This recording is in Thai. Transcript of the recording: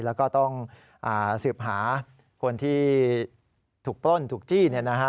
แล้วก็ต้องสืบหาคนที่ถูกปล้นถูกจี้